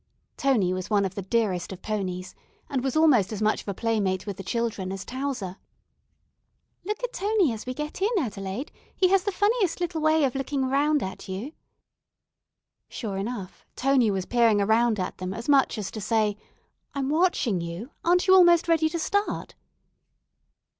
Tony was one of the dearest of ponies, and was almost as much of a playmate with the children as Towser. "Look at Tony as we get in, Adelaide; he has the funniest little way of looking around at you." Sure enough, Tony was peering around at them as much as to say, "I'm watching you; aren't you almost ready to start?"